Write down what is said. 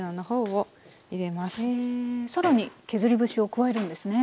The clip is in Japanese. へえ更に削り節を加えるんですね。